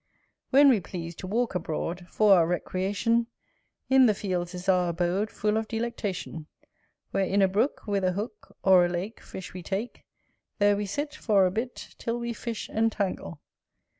When we please to walk abroad For our recreation, In the fields is our abode, Full of delectation: Where in a brook With a hook Or a lake Fish we take: There we sit For a bit, Till we fish entangle.